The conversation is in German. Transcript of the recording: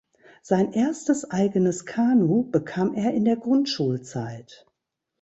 Sein erstes eigenes Kanu bekam er in der Grundschulzeit.